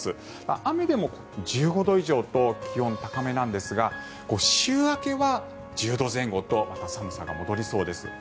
雨でも１５度以上と気温高めなんですが週明けは１０前後とまた寒さが戻りそうです。